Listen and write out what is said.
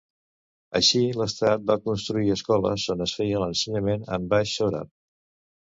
Així, l'estat va construir escoles on es feia l'ensenyament en baix sòrab.